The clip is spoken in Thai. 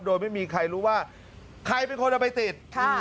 โดยไม่มีใครรู้ว่าใครเป็นคนเอาไปติด